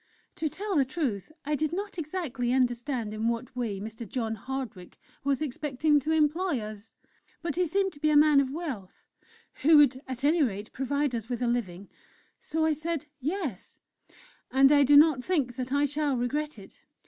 To tell the truth, I did not exactly understand in what way Mr. John Hardwick was expecting to employ us; but he seemed to be a man of wealth, who would at any rate provide us with a living. So I said, 'Yes,' And I do not think that I shall regret it."